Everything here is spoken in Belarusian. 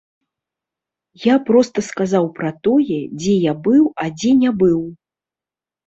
Я проста сказаў пра тое, дзе я быў а дзе не быў.